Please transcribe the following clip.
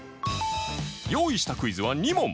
用意したクイズは２問